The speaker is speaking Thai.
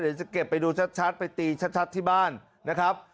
เดี๋ยวจะเก็บไปดูชัดไปตีชัดที่บ้านนะครับ